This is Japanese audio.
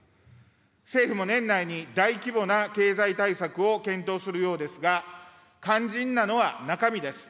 政府も年内に大規模な経済対策を検討するようですが、肝心なのは中身です。